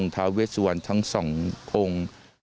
ทาเวสวันทั้งสององค์